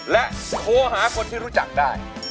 และโทรหาคนที่รู้จักได้